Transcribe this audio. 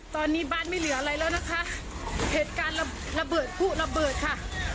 ตอนนี้บ้านไม่เหลืออะไรแล้วนะคะเหตุการณ์ระเบิดผู้ระเบิดค่ะ